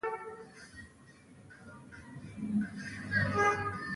په کوم ځای کې چې وه له هغه ځایه بېرته راستنه شوه.